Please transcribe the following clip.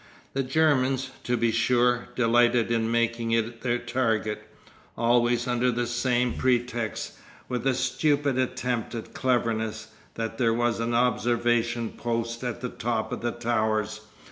The Germans, to be sure, delighted in making it their target, always under the same pretext, with a stupid attempt at cleverness, that there was an observation post at the top of the towers.